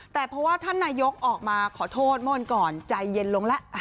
แต่เพราะว่าท่านนายกออกมาขอโทษเมื่อวันก่อนใจเย็นลงแล้ว